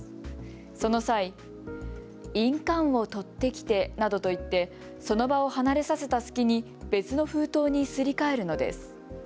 その際、印鑑を取ってきてなどと言ってその場を離れさせた隙に別の封筒にすり替えるのです。